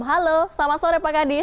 halo selamat sore pak kadi